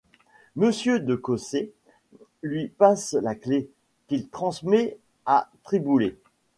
Monsieur de Cossé lui passe la clef, qu’il transmet à Triboulet.